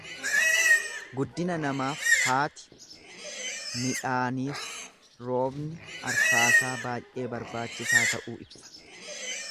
Guddina namaaf haati, midhaaniif roobni arfaasaa baay'ee barbaachisaa ta'uu ibsa.